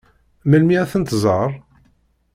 Melmi ad tent-tẓeṛ?